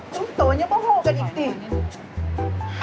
น้องตอนยังบ้าโหกันอีกสิ